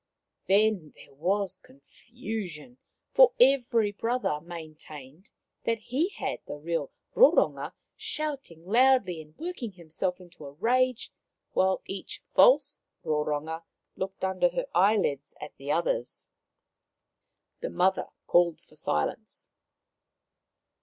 Then there was confusion, for every brother maintained that he had the real Roronga, shout ing loudly and working himself into a rage, while each false Roronga looked under her eyelids at the others. The mother called for silence.